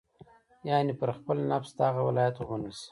یعنې پر خپل نفس د هغه ولایت ومنل شي.